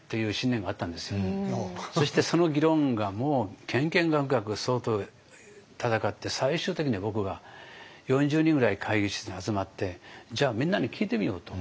そしてその議論がもうけんけんがくがく相当戦って最終的に僕が４０人ぐらい会議室に集まってじゃあみんなに聞いてみようと。